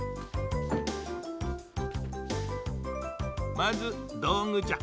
まずどうぐじゃ。